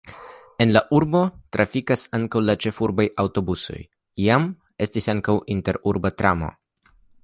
En la urbo trafikas ankaŭ la ĉefurbaj aŭtobusoj, iam estis ankaŭ interurba tramo.